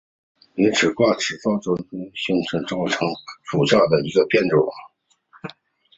短齿爪哇假糙苏为唇形科假糙苏属下的一个变种。